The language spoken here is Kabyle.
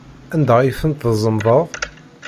Anda ay tent-tzemḍeḍ?